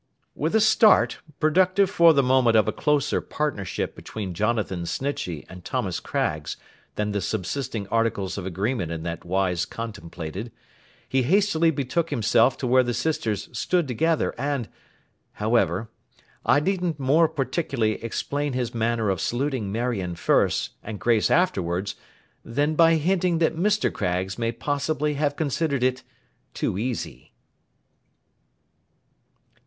With a start, productive for the moment of a closer partnership between Jonathan Snitchey and Thomas Craggs than the subsisting articles of agreement in that wise contemplated, he hastily betook himself to where the sisters stood together, and—however, I needn't more particularly explain his manner of saluting Marion first, and Grace afterwards, than by hinting that Mr. Craggs may possibly have considered it 'too easy.